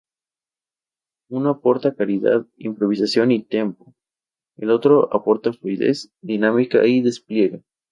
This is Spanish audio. Uno aporta claridad, improvisación y tempo, el otro aporta fluidez, dinámica y despliegue.